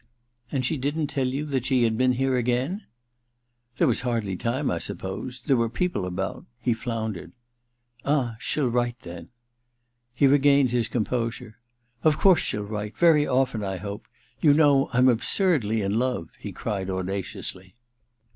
* And she didn't tell you that she had been here again ?' •There was hardly time, I suppose — ^there were people about ' he floundered. * Ah, she'll write, then.' He regained his composure. •Of course she'll write : very often, I hope. You know I'm absurdly in love,' he cried audaciously.